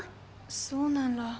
そうなんら。